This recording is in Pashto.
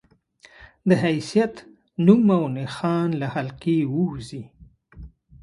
د حيثيت، نوم او نښان له حلقې ووځي